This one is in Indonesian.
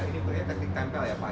ini berarti teknik tempel ya pak ya